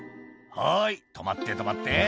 はーい、止まって、止まって。